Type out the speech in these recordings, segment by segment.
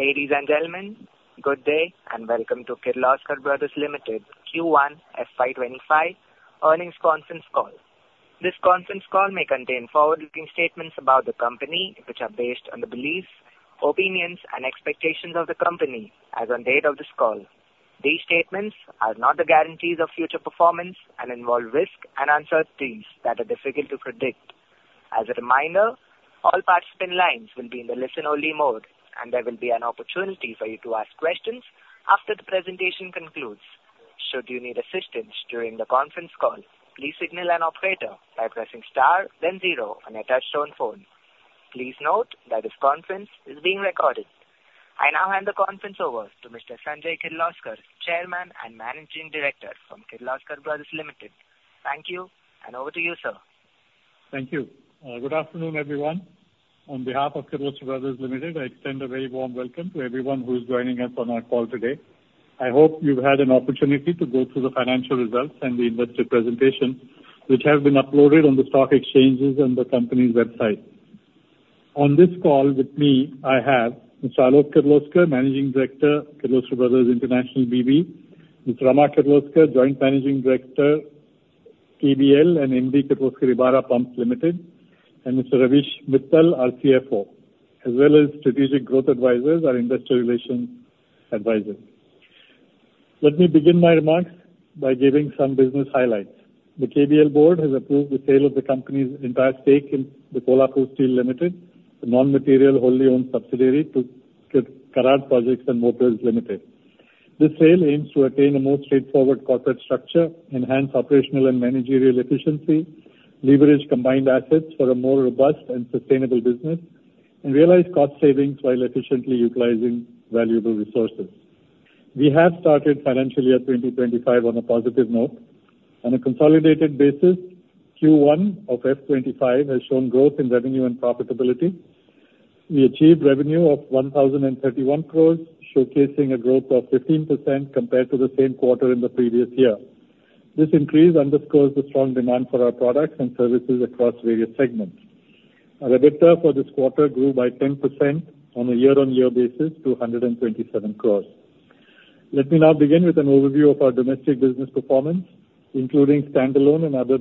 Ladies and gentlemen, good day, and welcome to Kirloskar Brothers Limited Q1 FY25 earnings conference call. This conference call may contain forward-looking statements about the company, which are based on the beliefs, opinions, and expectations of the company as on date of this call. These statements are not the guarantees of future performance and involve risks and uncertainties that are difficult to predict. As a reminder, all participant lines will be in the listen-only mode, and there will be an opportunity for you to ask questions after the presentation concludes. Should you need assistance during the conference call, please signal an operator by pressing star, then zero on a touchtone phone. Please note that this conference is being recorded. I now hand the conference over to Mr. Sanjay Kirloskar, Chairman and Managing Director from Kirloskar Brothers Limited. Thank you, and over to you, sir. Thank you. Good afternoon, everyone. On behalf of Kirloskar Brothers Limited, I extend a very warm welcome to everyone who is joining us on our call today. I hope you've had an opportunity to go through the financial results and the investor presentation, which have been uploaded on the stock exchanges and the company's website. On this call with me, I have Mr. Alok Kirloskar, Managing Director, Kirloskar Brothers International B.V., Ms. Rama Kirloskar, Joint Managing Director, KBL, and MD, Kirloskar Ebara Pumps Limited, and Mr. Ravish Mittal, our CFO, as well as Strategic Growth Advisors, our investor relations advisor. Let me begin my remarks by giving some business highlights. The KBL Board has approved the sale of the company's entire stake in The Kolhapur Steel Limited, a non-material wholly owned subsidiary, to Karad Projects and Motors Limited. This sale aims to attain a more straightforward corporate structure, enhance operational and managerial efficiency, leverage combined assets for a more robust and sustainable business, and realize cost savings while efficiently utilizing valuable resources. We have started FY 2025 on a positive note. On a consolidated basis, Q1 of FY 2025 has shown growth in revenue and profitability. We achieved revenue of 1,031 crores, showcasing a growth of 15% compared to the same quarter in the previous year. This increase underscores the strong demand for our products and services across various segments. Our EBITDA for this quarter grew by 10% on a year-on-year basis to 127 crores. Let me now begin with an overview of our domestic business performance, including standalone and other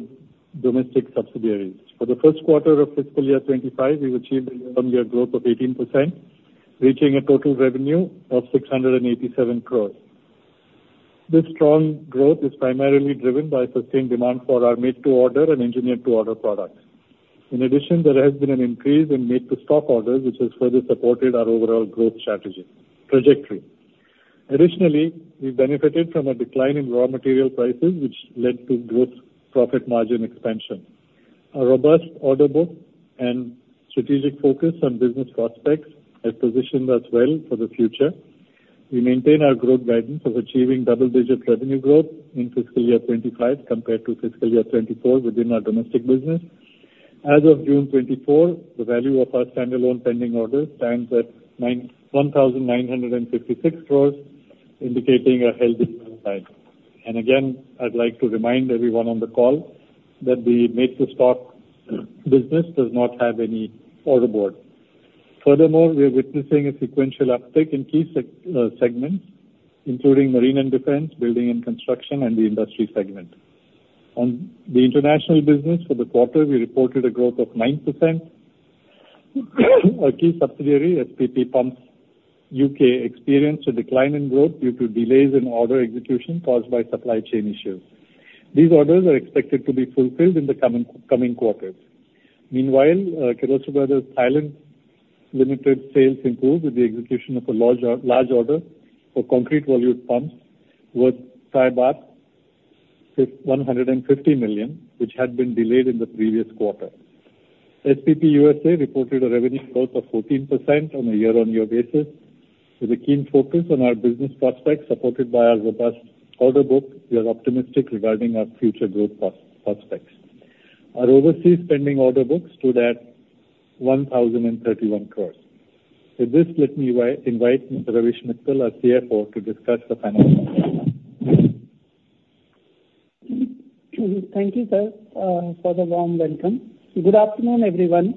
domestic subsidiaries. For the first quarter of fiscal year 2025, we've achieved a year-on-year growth of 18%, reaching a total revenue of 687 crore. This strong growth is primarily driven by sustained demand for our made-to-order and engineered-to-order products. In addition, there has been an increase in made-to-stock orders, which has further supported our overall growth strategy, trajectory. Additionally, we've benefited from a decline in raw material prices, which led to gross profit margin expansion. Our robust order book and strategic focus on business prospects has positioned us well for the future. We maintain our growth guidance of achieving double-digit revenue growth in fiscal year 2025 compared to fiscal year 2024 within our domestic business. As of June 2024, the value of our standalone pending orders stands at 1,956 crore, indicating a healthy pipeline. And again, I'd like to remind everyone on the call that the made-to-stock business does not have any order board. Furthermore, we are witnessing a sequential uptick in key sectors, including marine and defense, building and construction, and the industry segment. On the international business for the quarter, we reported a growth of 9%. Our key subsidiary, SPP Pumps UK, experienced a decline in growth due to delays in order execution caused by supply chain issues. These orders are expected to be fulfilled in the coming quarters. Meanwhile, Kirloskar Brothers Thailand Limited sales improved with the execution of a large order for concrete volute pumps worth 150 million, which had been delayed in the previous quarter. SPP U.S.A. reported a revenue growth of 14% on a year-on-year basis. With a keen focus on our business prospects, supported by our robust order book, we are optimistic regarding our future growth prospects. Our overseas pending order books stood at 1,031 crores. With this, let me invite Mr. Ravish Mittal, our CFO, to discuss the financial results. Thank you, sir, for the warm welcome. Good afternoon, everyone.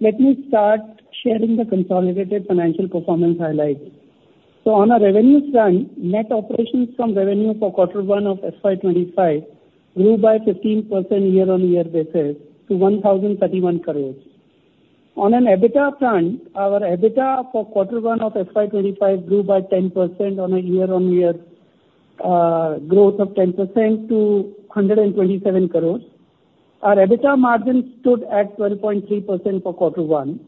Let me start sharing the consolidated financial performance highlights. On a revenue front, net operations from revenue for quarter 1 of FY 2025 grew by 15% year-on-year basis to 1,031 crores. On an EBITDA front, our EBITDA for quarter one of FY 2025 grew by 10% on a year-on-year, growth of 10% to 127 crores. Our EBITDA margin stood at 12.3% for quarter one.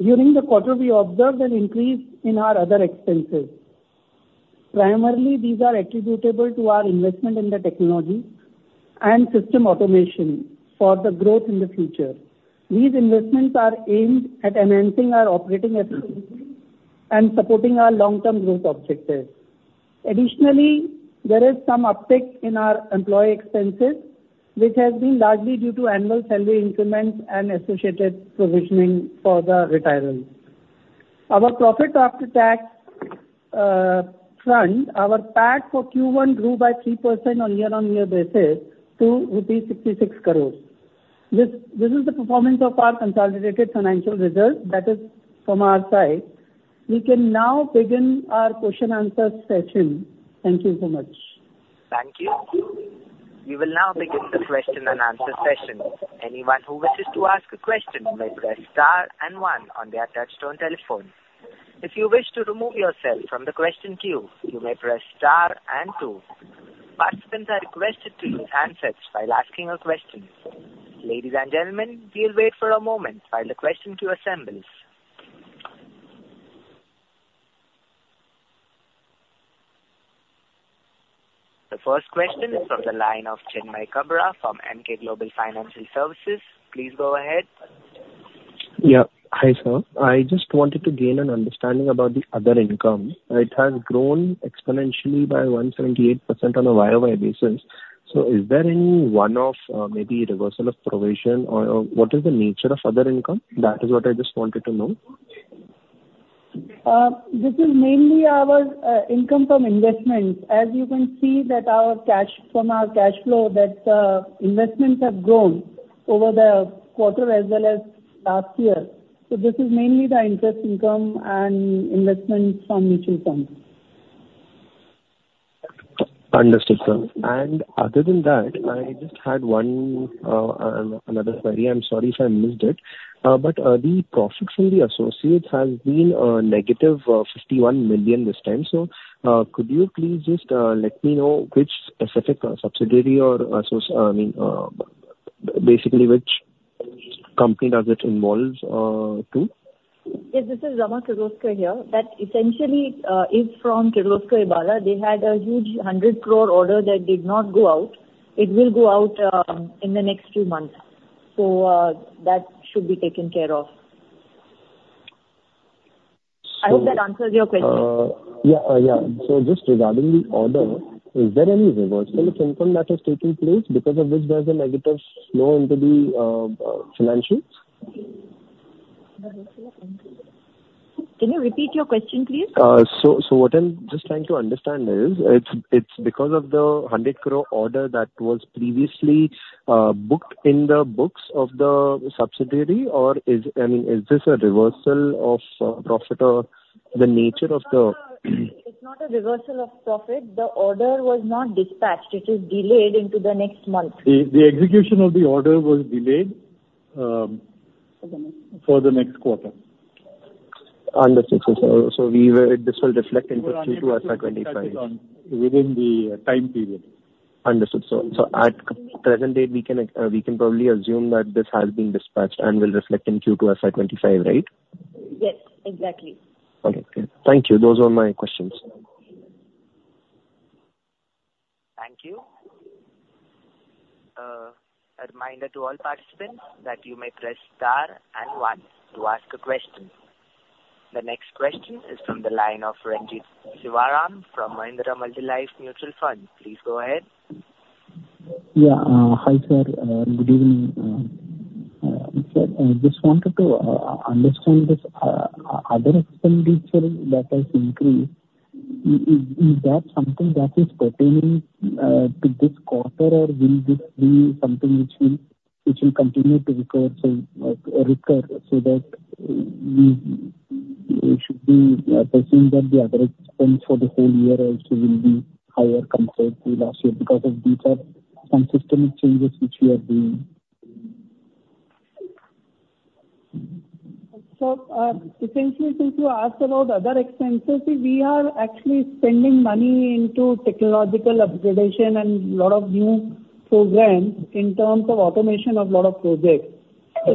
During the quarter, we observed an increase in our other expenses. Primarily, these are attributable to our investment in the technology and system automation for the growth in the future. These investments are aimed at enhancing our operating efficiency and supporting our long-term growth objectives. Additionally, there is some uptick in our employee expenses, which has been largely due to annual salary increments and associated provisioning for the retirement. Our profit after tax from our PAT for Q1 grew by 3% on year-on-year basis to 66 crores. This is the performance of our consolidated financial results. That is from our side. We can now begin our question and answer session. Thank you so much. Thank you. We will now begin the question and answer session. Anyone who wishes to ask a question may press star and one on their touchtone telephone. If you wish to remove yourself from the question queue, you may press star and two. Participants are requested to use handsets while asking a question. Ladies and gentlemen, we'll wait for a moment while the question queue assembles. The first question is from the line of Chinmay Kabra from Emkay Global Financial Services. Please go ahead. Yeah. Hi, sir. I just wanted to gain an understanding about the other income. It has grown exponentially by 178% on a YOY basis. So is there any one-off, maybe reversal of provision, or, or what is the nature of other income? That is what I just wanted to know. This is mainly our income from investments. As you can see, that our cash... From our cash flow, that investments have grown over the quarter as well as last year. So this is mainly the interest income and investments from mutual funds. Understood, ma'am. Other than that, I just had one another query. I'm sorry if I missed it. The profits from the associates has been negative 51 million this time. Could you please just let me know which specific subsidiary or associate, I mean, basically, which company does it involves to? Yes, this is Rama Kirloskar here. That essentially is from Kirloskar Ebara. They had a huge 100 crore order that did not go out. It will go out in the next two months. So, that should be taken care of. I hope that answers your question. Just regarding the order, is there any reversal of income that has taken place, because of which there's a negative flow into the financials? Can you repeat your question, please? So, what I'm just trying to understand is, it's because of the 100 crore order that was previously booked in the books of the subsidiary, or is... I mean, is this a reversal of profit or the nature of the- It's not a reversal of profit. The order was not dispatched. It is delayed into the next month. The execution of the order was delayed. For the next- For the next quarter. Understood, sir. So, so we will, this will reflect into Q2 or 2025. Within the time period. Understood. So, so at present date, we can, we can probably assume that this has been dispatched and will reflect in Q2 or 25, right? Yes, exactly. Okay, great. Thank you. Those are my questions. Thank you. A reminder to all participants that you may press star and one to ask a question. The next question is from the line of Renjith Sivaram from Mahindra Manulife Mutual Fund. Please go ahead. Yeah. Hi, sir. Good evening. Sir, I just wanted to understand this other expenditure that has increased. Is that something that is pertaining to this quarter, or will this be something which will continue to recur, so that we should be assuming that the other expense for the whole year also will be higher compared to last year, because these are some systemic changes which we are doing? So, essentially, since you asked about other expenses, we are actually spending money into technological upgradation and lot of new programs in terms of automation of a lot of projects. So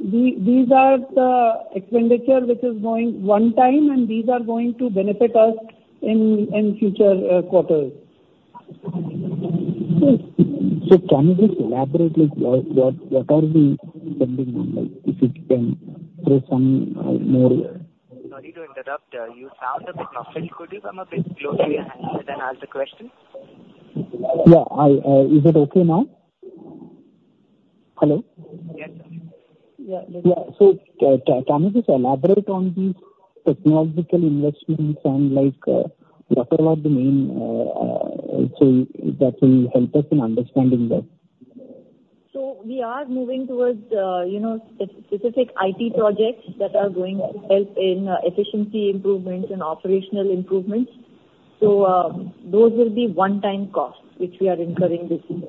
these are the expenditure which is going one time, and these are going to benefit us in future quarters. Can you just elaborate, like, what are we spending on? Like, if you can share some more- Sorry to interrupt, you sound a bit muffled. Could you come a bit closer to your handset and ask the question? Yeah. Is it okay now? Hello? Yes. Yeah. Yeah. So can you just elaborate on these technological investments and like, what are the main, so that will help us in understanding that? So we are moving towards, you know, specific IT projects that are going to help in efficiency improvements and operational improvements. So, those will be one-time costs, which we are incurring this year.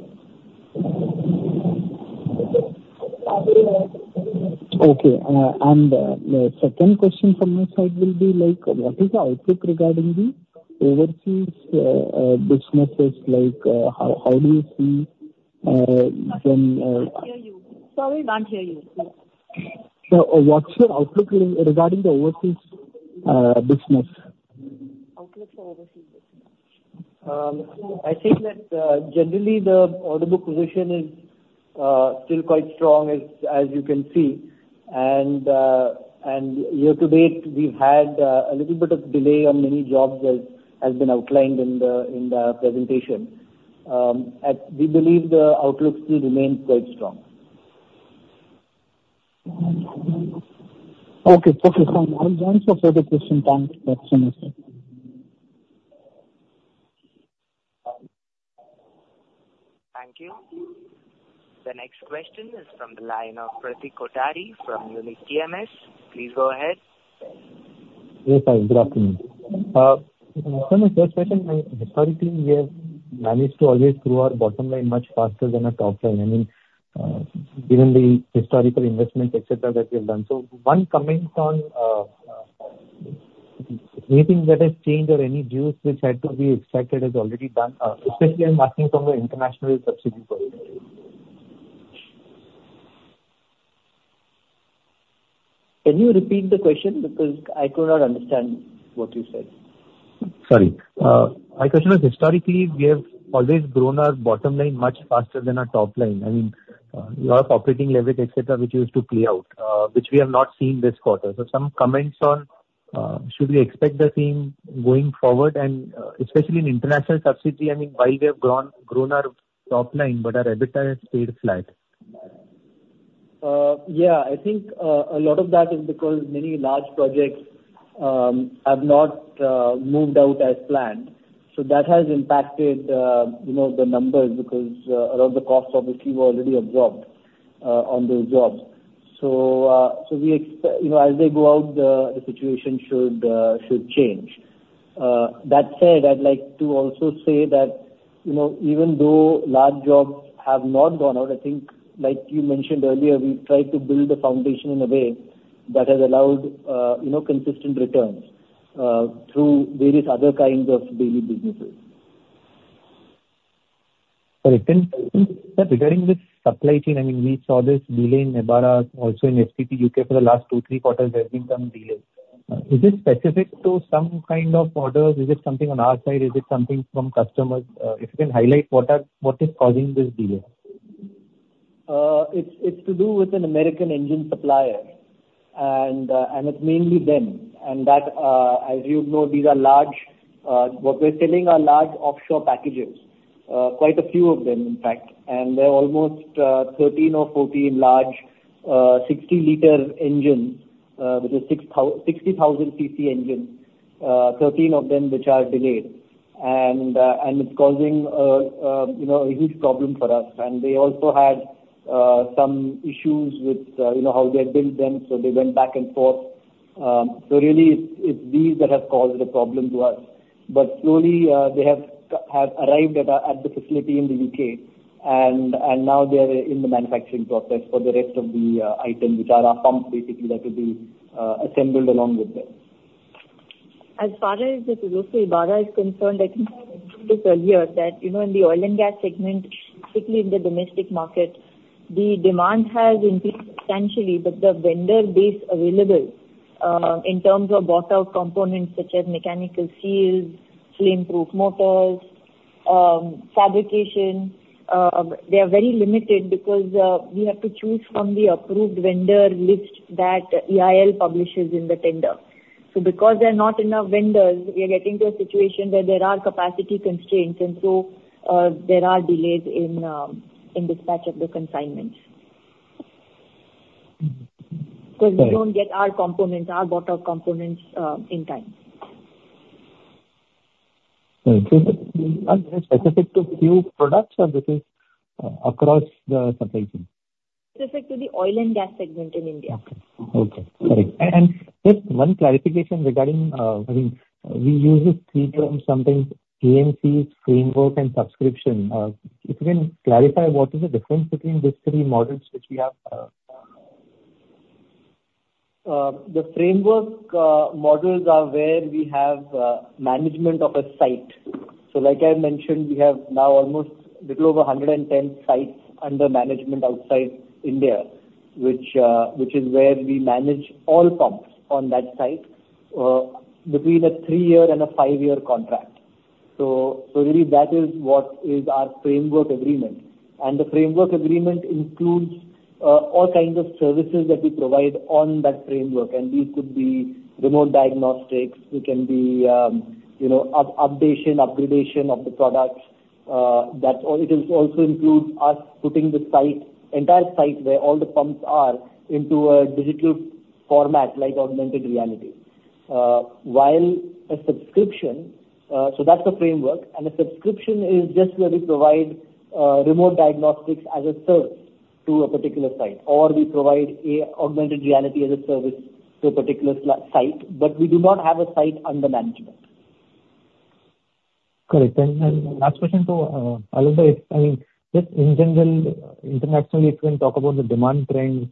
Okay. And the second question from my side will be like, what is the outlook regarding the overseas businesses? Like, how do you see the- I can't hear you. Sorry, can't hear you. So what's your outlook regarding the overseas business? Outlook for overseas business. I think that generally the order book position is still quite strong as you can see. And year to date, we've had a little bit of delay on many jobs as has been outlined in the presentation. We believe the outlook still remains quite strong.... Okay, okay, fine. I'll join for further question time next semester. Thank you. The next question is from the line of Pratik Kothari from Unique PMS. Please go ahead. Yes, hi, good afternoon. So my first question, historically, we have managed to always grow our bottom line much faster than our top line. I mean, given the historical investments, et cetera, that we have done. So one comment on, anything that has changed or any views which had to be expected is already done, especially I'm asking from the international subsidiary point. Can you repeat the question? Because I could not understand what you said. Sorry. My question is, historically, we have always grown our bottom line much faster than our top line. I mean, lot of operating leverage, etc., which used to play out, which we have not seen this quarter. So some comments on, should we expect the same going forward? And, especially in international subsidiaries, I mean, while we have grown, grown our top line, but our EBITDA has stayed flat. Yeah, I think a lot of that is because many large projects have not moved out as planned. So that has impacted, you know, the numbers, because a lot of the costs obviously were already absorbed on those jobs. So, so we you know as they go out, the situation should change. That said, I'd like to also say that, you know, even though large jobs have not gone out, I think like you mentioned earlier, we've tried to build the foundation in a way that has allowed, you know, consistent returns through various other kinds of daily businesses. Sorry, then, sir, regarding the supply chain, I mean, we saw this delay in Ebara, also in SPP, U.K. for the last two, three quarters, there have been some delays. Is it specific to some kind of orders? Is it something on our side? Is it something from customers? If you can highlight what are, what is causing this delay. It's to do with an American engine supplier, and it's mainly them. And that, as you know, these are large, what we're selling are large offshore packages, quite a few of them, in fact. And they're almost 13 or 14 large 60 L engines, which is 60,000 cc engines, 13 of them, which are delayed. And it's causing, you know, a huge problem for us. And they also had some issues with, you know, how they had built them, so they went back and forth. So really, it's these that have caused the problem to us. But slowly, they have arrived at the facility in the U.K, and now they are in the manufacturing process for the rest of the items, which are our pumps, basically, that will be assembled along with them. As far as the Ebara is concerned, I think I mentioned this earlier, that, you know, in the oil and gas segment, particularly in the domestic market, the demand has increased substantially. But the vendor base available, in terms of bought out components such as mechanical seals, flameproof motors, fabrication, they are very limited because, we have to choose from the approved vendor list that EIL publishes in the tender. So because there are not enough vendors, we are getting to a situation where there are capacity constraints, and so, there are delays in, in dispatch of the consignments. Mm-hmm. Right. Because we don't get our components, our bought out components, in time. Is it specific to few products, or this is across the supply chain? Specific to the oil and gas segment in India. Okay. And just one clarification regarding, I mean, we use this three terms, sometimes AMC, framework, and subscription. If you can clarify, what is the difference between these three models which we have? The framework models are where we have management of a site. So like I mentioned, we have now almost little over 110 sites under management outside India, which is where we manage all pumps on that site between a 3-year and a 5-year contract. So really that is what is our Framework Agreement. And the Framework Agreement includes all kinds of services that we provide on that framework. And these could be remote diagnostics, it can be, you know, updation, upgradation of the products. That or it also includes us putting the site, entire site, where all the pumps are, into a digital format like Augmented Reality. While a subscription... So that's the framework. A subscription is just where we provide remote diagnostics as a service to a particular site, or we provide Augmented Reality as a service to a particular site, but we do not have a site under management. Correct. And last question to Alok, I mean, just in general, internationally, if you can talk about the demand trends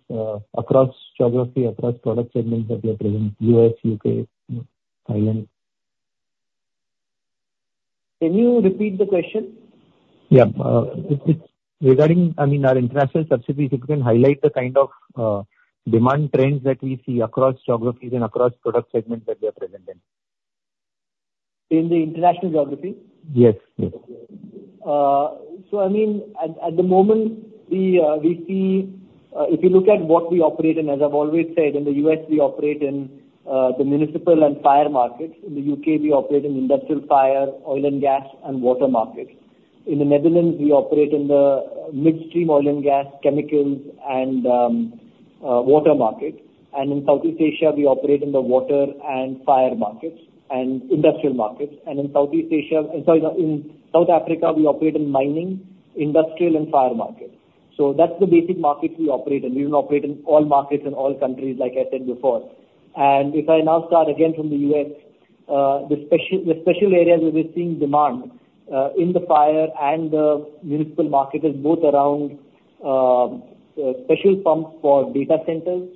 across geography, across product segments that we are present, U.S., U.K., you know, Thailand. Can you repeat the question? Yeah. It's regarding, I mean, our international subsidiaries, if you can highlight the kind of demand trends that we see across geographies and across product segments that we are present in? In the international geography? Yes, yes. So I mean, at the moment, we see if you look at what we operate in, as I've always said, in the U.S., we operate in the municipal and fire markets. In the U.K., we operate in industrial, fire, oil and gas, and water markets. In the Netherlands, we operate in the midstream oil and gas, chemicals, and water market. And in Southeast Asia, we operate in the water and fire markets and industrial markets. And in Southeast Asia, sorry, in South Africa, we operate in mining, industrial, and fire markets. So that's the basic markets we operate in. We don't operate in all markets in all countries, like I said before. And if I now start again from the U.S., the special, the special areas where we're seeing demand in the fire and the municipal market is both around special pumps for data centers,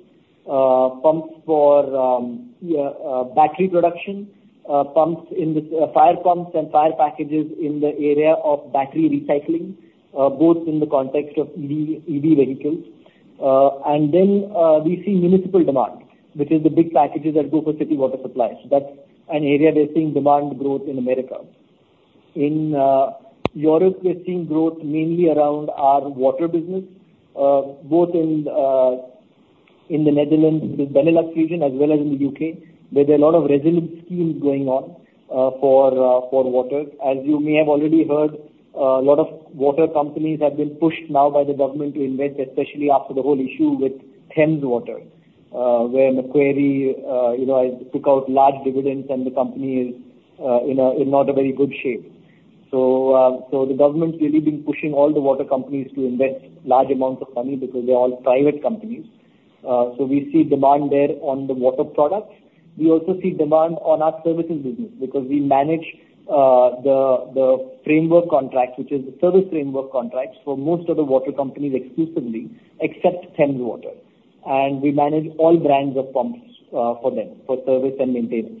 pumps for, yeah, battery production, pumps in the fire pumps and fire packages in the area of battery recycling, both in the context of EV, EV vehicles. And then, we see municipal demand, which is the big packages that go for city water supplies. That's an area we're seeing demand growth in America. In Europe, we're seeing growth mainly around our water business, both in the Netherlands, the Benelux region, as well as in the U.K., where there are a lot of resilience schemes going on, for water. As you may have already heard, a lot of water companies have been pushed now by the government to invest, especially after the whole issue with Thames Water, where Macquarie, you know, took out large dividends and the company is in not a very good shape. So, the government's really been pushing all the water companies to invest large amounts of money because they're all private companies. So we see demand there on the water products. We also see demand on our services business because we manage the framework contracts, which is the service framework contracts, for most of the water companies exclusively, except Thames Water. And we manage all brands of pumps for them, for service and maintenance.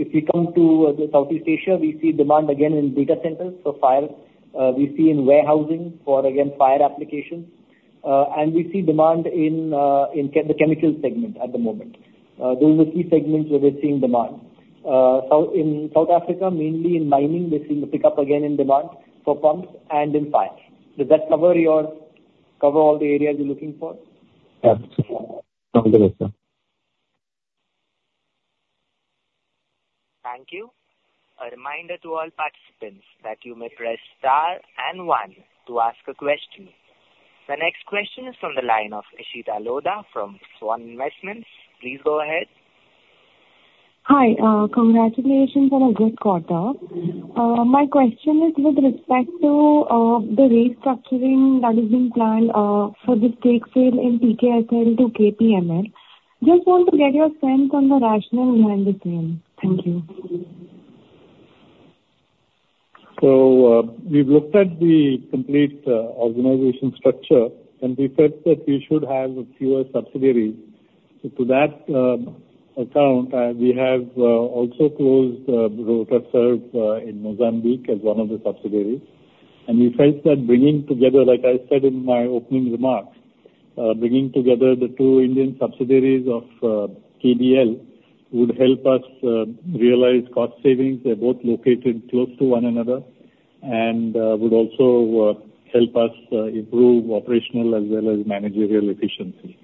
If we come to the Southeast Asia, we see demand again in data centers for fire. We see in warehousing for, again, fire applications. And we see demand in the chemical segment at the moment. Those are the key segments where we're seeing demand. In South Africa, mainly in mining, we're seeing a pickup again in demand for pumps and in fire. Does that cover all the areas you're looking for? Yes. Completely, sir. Thank you. A reminder to all participants that you may press star and one to ask a question. The next question is from the line of Ishita Lodha from Svan Investments. Please go ahead. Hi, congratulations on a good quarter. My question is with respect to the restructuring that has been planned for this stake sale in KSL to KPML. Just want to get your sense on the rationale behind the same. Thank you. So, we've looked at the complete organization structure, and we felt that we should have a fewer subsidiaries. So to that account, we have also closed Rotaserve in Mozambique as one of the subsidiaries. And we felt that bringing together, like I said in my opening remarks, bringing together the two Indian subsidiaries of KBL would help us realize cost savings. They're both located close to one another and would also help us improve operational as well as managerial efficiency.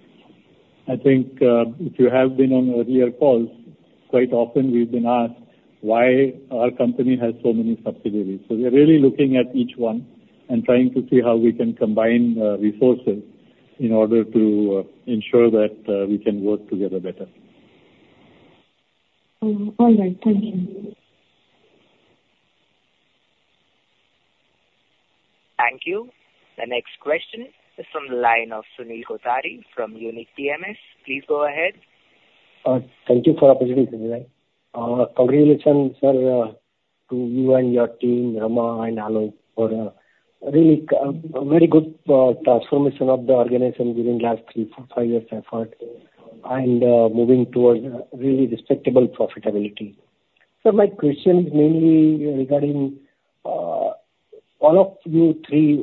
I think, if you have been on earlier calls, quite often we've been asked why our company has so many subsidiaries. So we are really looking at each one and trying to see how we can combine resources in order to ensure that we can work together better. All right. Thank you. Thank you. The next question is from the line of Sunil Kothari from Unique PMS. Please go ahead. Thank you for the opportunity. Congratulations, sir, to you and your team, Rama and Alok, for really a very good transformation of the organization within last one, four, five years' effort and moving towards a really respectable profitability. So my question is mainly regarding all of you three,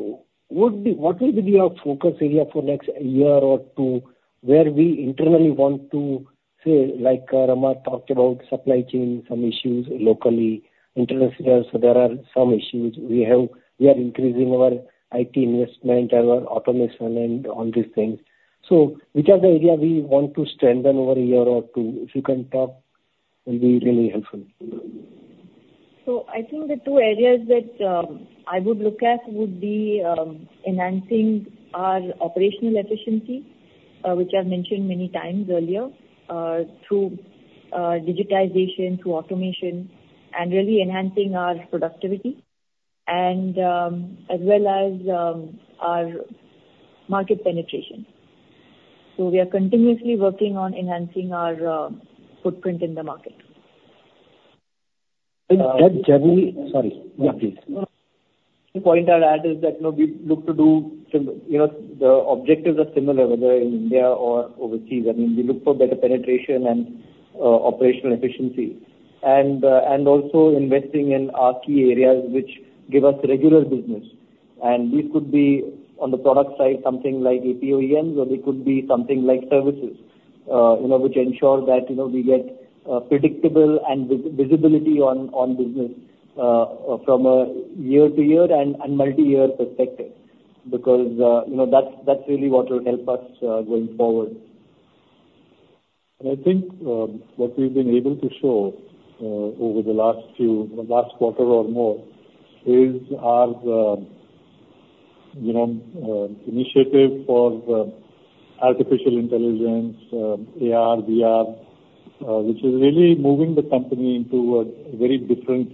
what be, what will be your focus area for next year or two, where we internally want to say, like Rama talked about supply chain, some issues locally, international, so there are some issues. We have we are increasing our IT investment and our automation and all these things. So which are the areas we want to strengthen over a year or two? If you can talk, will be really helpful. So I think the two areas that I would look at would be enhancing our operational efficiency, which I've mentioned many times earlier, through digitization, through automation, and really enhancing our productivity, and as well as our market penetration. So we are continuously working on enhancing our footprint in the market. Sorry. Yeah, please. The point I'd add is that, you know, we look to do, you know, the objectives are similar, whether in India or overseas. I mean, we look for better penetration and operational efficiency, and also investing in our key areas, which give us regular business. And these could be on the product side, something like APOYN or they could be something like services, you know, which ensure that, you know, we get predictable and visibility on business from a year-to-year and multi-year perspective, because, you know, that's really what will help us going forward.... And I think, what we've been able to show, over the last few, the last quarter or more, is our, you know, initiative for the artificial intelligence, AR, VR, which is really moving the company into a very different,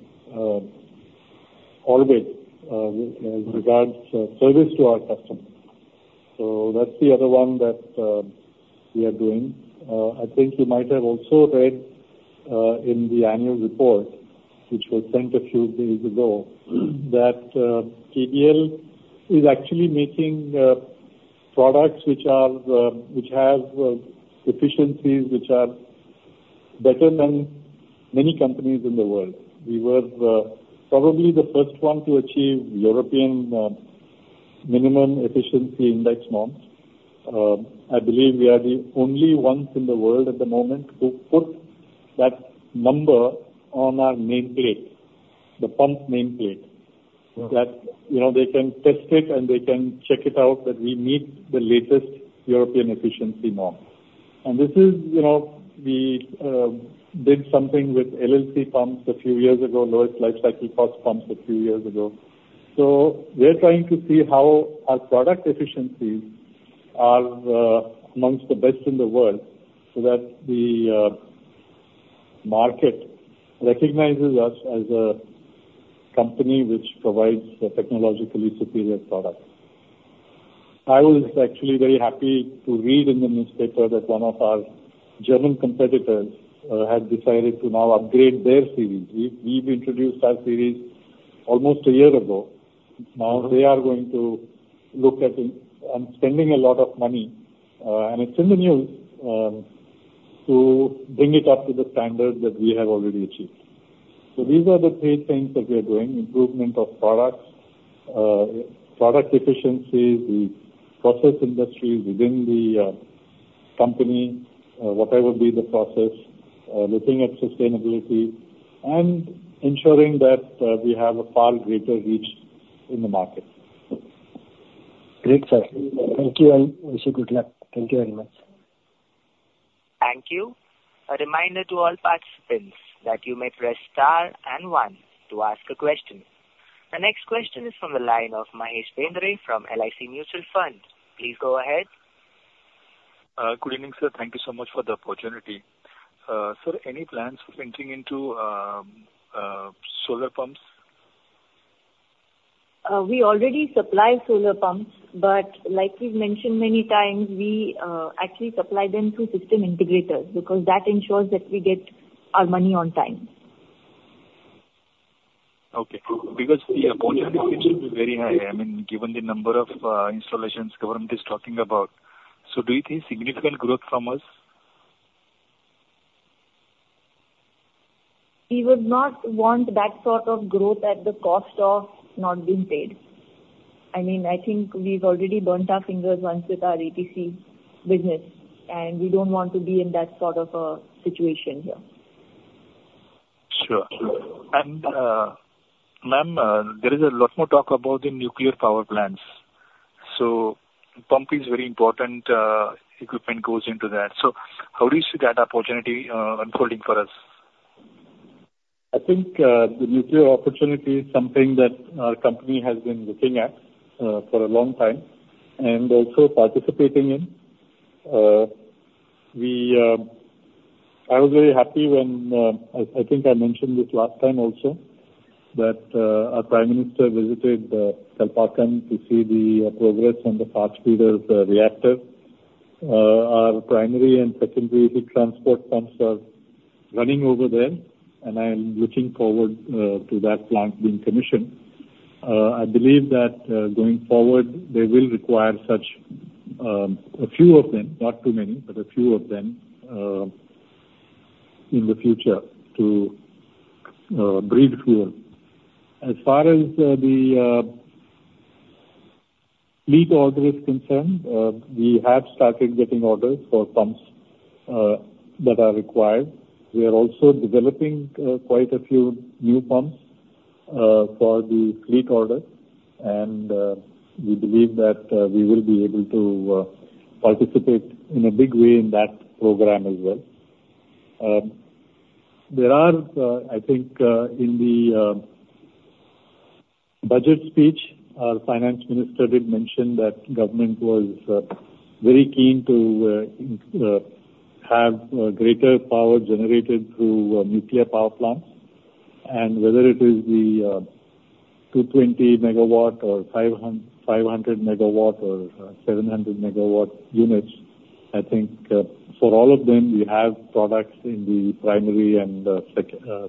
orbit, with regards to service to our customers. So that's the other one that, we are doing. I think you might have also read, in the annual report, which was sent a few days ago, that, KBL is actually making, products which are the, which have, efficiencies, which are better than many companies in the world. We were, probably the first one to achieve European, minimum efficiency index norms. I believe we are the only ones in the world at the moment who put that number on our nameplate, the pump nameplate. That, you know, they can test it, and they can check it out, that we meet the latest European efficiency norm. And this is, you know, we did something with LLC pumps a few years ago, lowest lifecycle cost pumps a few years ago. So we're trying to see how our product efficiencies are amongst the best in the world, so that the market recognizes us as a company which provides a technologically superior product. I was actually very happy to read in the newspaper that one of our German competitors had decided to now upgrade their series. We, we've introduced our series almost a year ago. Now they are going to look at it and spending a lot of money and it's in the news to bring it up to the standard that we have already achieved. So these are the three things that we are doing: improvement of products, product efficiencies, the process industries within the company, whatever be the process, looking at sustainability and ensuring that we have a far greater reach in the market. Great, sir. Thank you, and wish you good luck. Thank you very much. Thank you. A reminder to all participants that you may press star and one to ask a question. The next question is from the line of Mahesh Bendre from LIC Mutual Fund. Please go ahead. Good evening, sir. Thank you so much for the opportunity. Sir, any plans for entering into Solar Pumps? We already supply Solar Pumps, but like we've mentioned many times, we actually supply them through system integrators, because that ensures that we get our money on time. Okay, because the opportunity potential is very high. I mean, given the number of installations government is talking about. So do you see significant growth from us? We would not want that sort of growth at the cost of not being paid. I mean, I think we've already burned our fingers once with our EPC business, and we don't want to be in that sort of a situation here. Sure. And, ma'am, there is a lot more talk about the nuclear power plants. So pump is very important, equipment goes into that. So how do you see that opportunity, unfolding for us? I think, the nuclear opportunity is something that our company has been looking at, for a long time and also participating in. I was very happy when, I think I mentioned this last time also, that, our Prime Minister visited, Kalpakkam to see the progress on the Fast Breeder Reactor. Our Primary Heat Transport Pumps and Secondary Heat Transport Pumps are running over there, and I am looking forward, to that plant being commissioned. I believe that, going forward, they will require such, a few of them, not too many, but a few of them, in the future to, breed fuel. As far as, the, fleet order is concerned, we have started getting orders for pumps, that are required. We are also developing quite a few new pumps for the fleet order, and we believe that we will be able to participate in a big way in that program as well. There are, I think, in the budget speech, our finance minister did mention that government was very keen to have greater power generated through nuclear power plants. And whether it is the 220 MW or 500 MW or 700 MW units, I think, for all of them, we have products in the primary and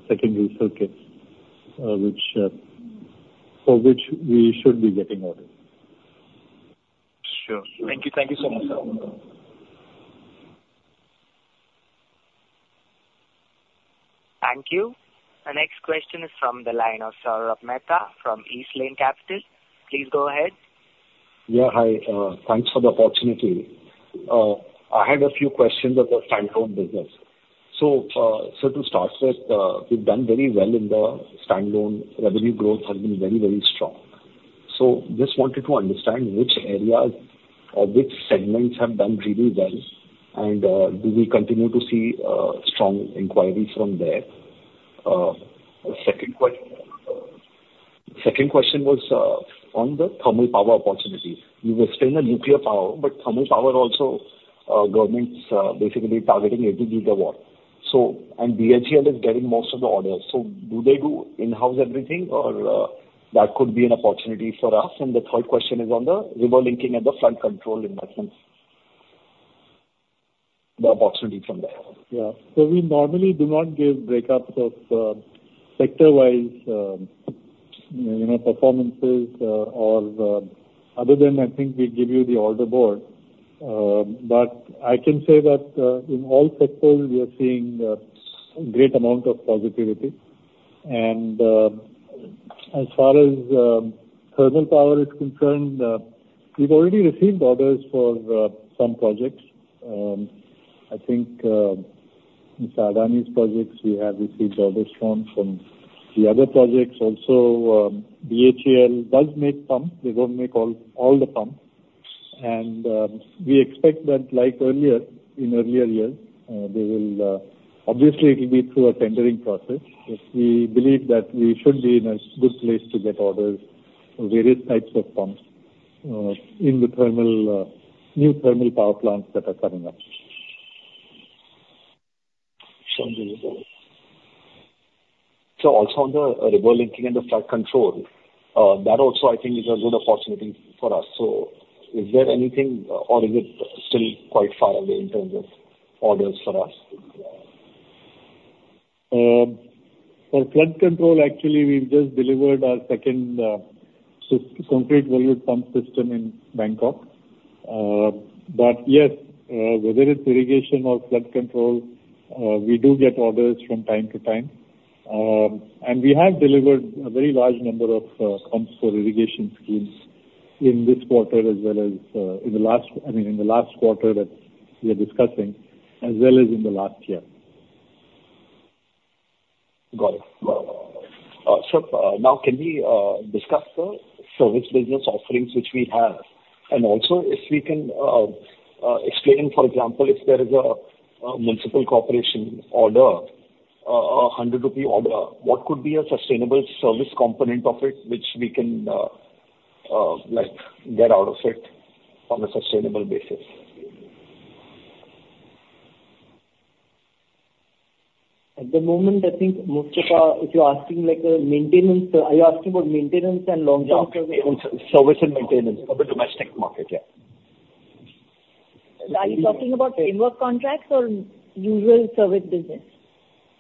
secondary circuits, which for which we should be getting orders. Sure. Thank you. Thank you so much, sir. Thank you. Our next question is from the line of Saurabh Mehta from East Lane Capital. Please go ahead. Yeah, hi. Thanks for the opportunity. I had a few questions about the standalone business. So, to start with, you've done very well in the standalone revenue growth has been very, very strong. So just wanted to understand which areas or which segments have done really well, and, do we continue to see strong inquiries from there? Second question was on the thermal power opportunities. You were still in the nuclear power, but thermal power also, government's basically targeting 80 GW. So, and BHEL is getting most of the orders. So do they do in-house everything, or, that could be an opportunity for us? And the third question is on the river linking and the flood control investments, the opportunity from there. Yeah. So we normally do not give breakups of sector-wise, you know, performances, or other than I think we give you the order board. But I can say that in all sectors we are seeing great amount of positivity. And as far as thermal power is concerned, we've already received orders for some projects. I think in Adani's projects, we have received orders from the other projects also. BHEL does make pumps, they don't make all the pumps. And we expect that like earlier, in earlier years, they will obviously it will be through a tendering process. But we believe that we should be in a good place to get orders for various types of pumps in the thermal new thermal power plants that are coming up. So also on the river linking and the flood control, that also I think is a good opportunity for us. So is there anything or is it still quite far away in terms of orders for us? For flood control, actually, we've just delivered our second concrete volute pump system in Bangkok. But yes, whether it's irrigation or flood control, we do get orders from time to time. And we have delivered a very large number of pumps for irrigation schemes in this quarter, as well as in the last quarter that we are discussing, as well as in the last year. Got it. So, now can we discuss the service business offerings which we have? Also, if we can explain, for example, if there is a municipal corporation order, a 100 rupee order, what could be a sustainable service component of it, which we can like get out of it on a sustainable basis? At the moment, I think most of our, if you're asking like a maintenance, are you asking about maintenance and long term? Yeah. Service and maintenance. For the domestic market, yeah. Are you talking about framework contracts or usual service business?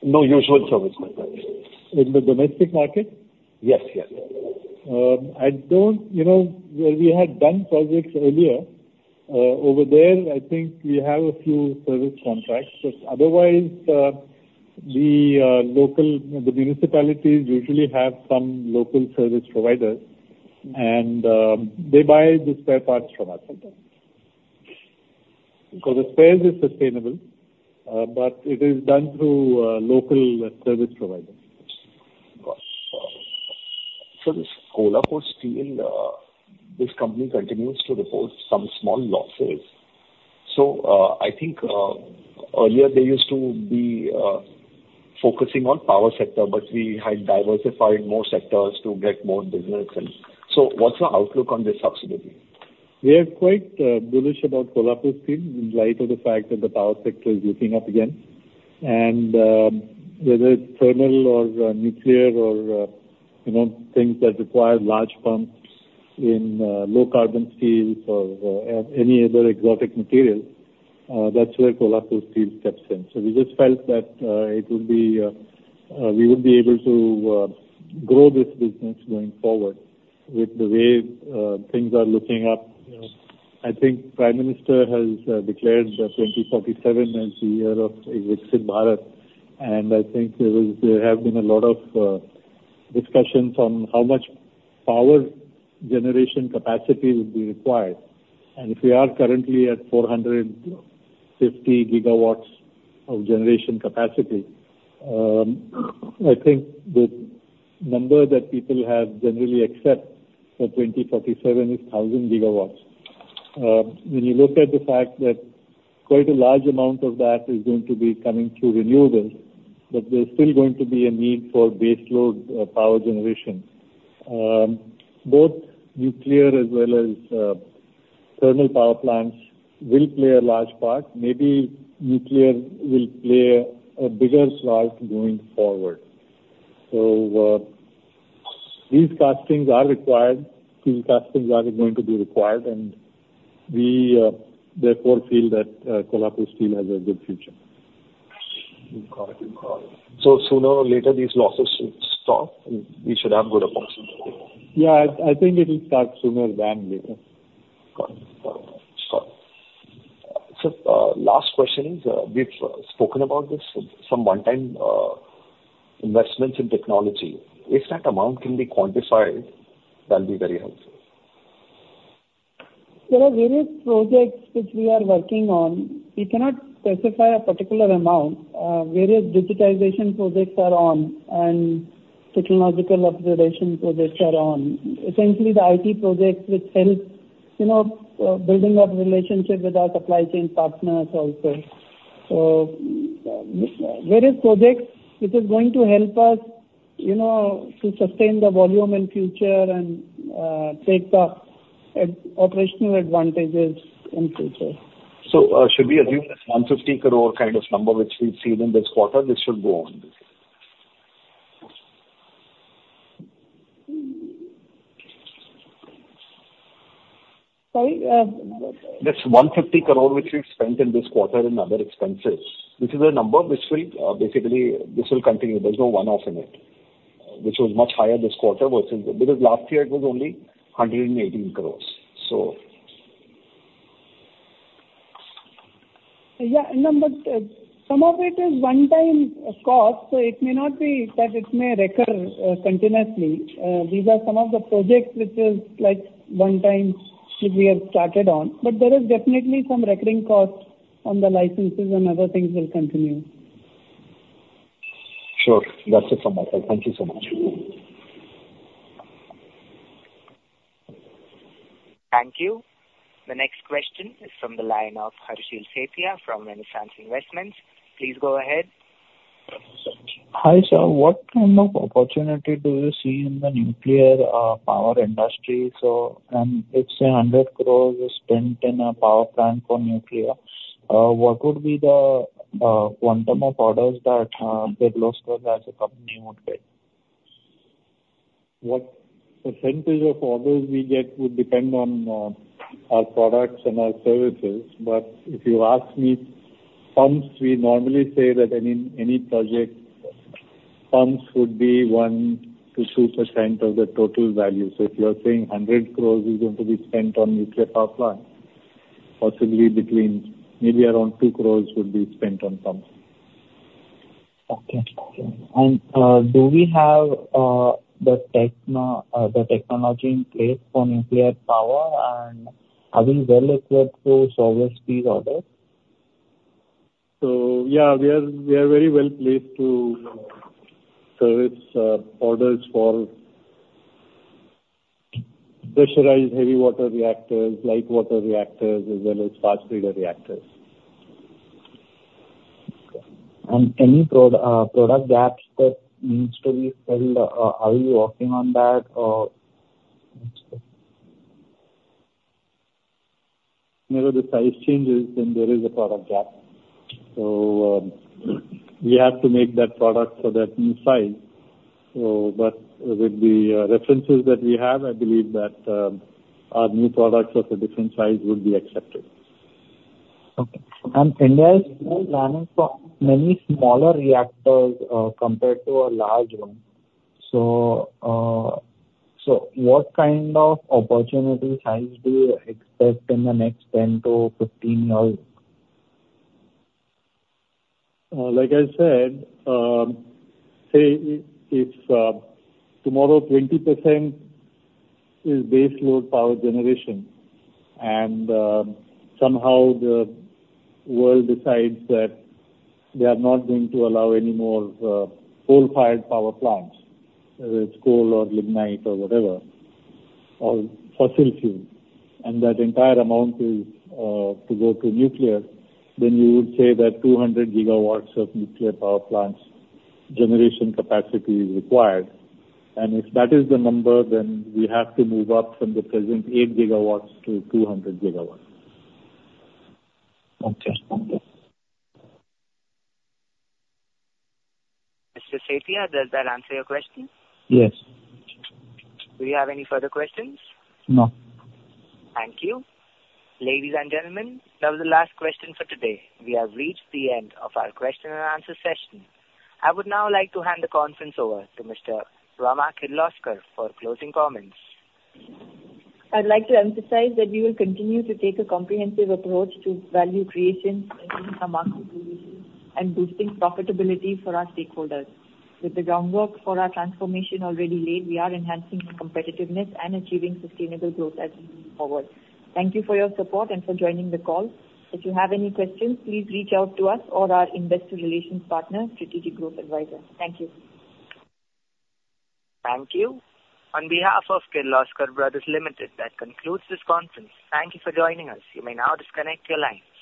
No, usual service contracts. In the domestic market? Yes, yes. I don't... You know, where we had done projects earlier, over there, I think we have a few service contracts. But otherwise, the local municipalities usually have some local service providers, and they buy the spare parts from us sometimes. Because the spares is sustainable, but it is done through local service providers. Got it. So this Kolhapur Steel, this company continues to report some small losses. So, I think, earlier they used to be, focusing on power sector, but we had diversified more sectors to get more business. And so what's the outlook on this subsidiary? We are quite bullish about Kolhapur Steel in light of the fact that the power sector is looking up again. And whether it's thermal or nuclear or you know things that require large pumps in low carbon steels or any other exotic material, that's where Kolhapur Steel steps in. So we just felt that it would be we would be able to grow this business going forward with the way things are looking up. I think Prime Minister has declared 2047 as the year of Viksit Bharat, and I think there was there have been a lot of discussions on how much power generation capacity would be required. If we are currently at 450 GW of generation capacity, I think the number that people have generally accept for 2047 is 1,000 GW. When you look at the fact that quite a large amount of that is going to be coming through renewables, but there's still going to be a need for base load power generation. Both nuclear as well as thermal power plants will play a large part. Maybe nuclear will play a bigger role going forward. So, these castings are required, these castings are going to be required, and we therefore feel that Kolhapur Steel has a good future. Got it. Got it. So sooner or later, these losses should stop, and we should have good opportunities. Yeah, I think it will start sooner than later. Got it. Got it. So, last question is, we've spoken about this, some one-time, investments in technology. If that amount can be quantified, that'll be very helpful. ... There are various projects which we are working on. We cannot specify a particular amount. Various digitization projects are on, and technological upgradation projects are on. Essentially, the IT projects which help, you know, building up relationship with our supply chain partners also. So, various projects, which is going to help us, you know, to sustain the volume in future and, take the additional operational advantages in future. So, should we assume this 150 crore kind of number, which we've seen in this quarter, this should go on? Sorry, uh- This 150 crore, which we've spent in this quarter in other expenses, this is a number which will, basically, this will continue. There's no one-off in it, which was much higher this quarter vs... Because last year it was only 118 crore, so. Yeah. No, but, some of it is one-time cost, so it may not be that it may recur, continuously. These are some of the projects which is, like, one-time, which we have started on, but there is definitely some recurring costs on the licenses and other things will continue. Sure. That's it from my side. Thank you so much. Thank you. The next question is from the line of Harshil Sethia from Renaissance Investment Managers. Please go ahead. Hi, sir. What kind of opportunity do you see in the nuclear power industry? So, and if, say, 100 crore is spent in a power plant for nuclear, what would be the quantum of orders that Kirloskar as a company would get? What percentage of orders we get would depend on our products and our services. But if you ask me, pumps, we normally say that any, any project, pumps would be 1%-2% of the total value. So if you are saying 100 crore is going to be spent on nuclear power plant, possibly between maybe around 2 crore would be spent on pumps. Okay. And, do we have the technology in place for nuclear power, and are we well-equipped to service these orders? Yeah, we are very well placed to service orders for Pressurized Heavy Water Reactors, Light Water Reactors, as well as Fast Breeder Reactors. Any product gaps that needs to be filled, are you working on that, or? Whenever the size changes, then there is a product gap. So, we have to make that product for that new size. So, but with the references that we have, I believe that our new products of a different size would be accepted. Okay. And India is still planning for many smaller reactors, compared to a large one. So, so what kind of opportunity size do you expect in the next 10-15 years? Like I said, say if tomorrow 20% is base load power generation, and somehow the world decides that they are not going to allow any more coal-fired power plants, whether it's coal or lignite or whatever, or fossil fuel, and that entire amount is to go to nuclear, then you would say that 200 gigawatts of nuclear power plants generation capacity is required. And if that is the number, then we have to move up from the present 8 GW to 200 GW. Okay. Mr. Sethia, does that answer your question? Yes. Do you have any further questions? No. Thank you. Ladies and gentlemen, that was the last question for today. We have reached the end of our question and answer session. I would now like to hand the conference over to Ms. Rama Kirloskar for closing comments. I'd like to emphasize that we will continue to take a comprehensive approach to value creation in our contribution and boosting profitability for our stakeholders. With the groundwork for our transformation already laid, we are enhancing competitiveness and achieving sustainable growth as we move forward. Thank you for your support and for joining the call. If you have any questions, please reach out to us or our investor relations partner, Strategic Growth Advisors. Thank you. Thank you. On behalf of Kirloskar Brothers Limited, that concludes this conference. Thank you for joining us. You may now disconnect your line.